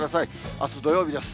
あす土曜日です。